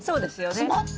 詰まってる。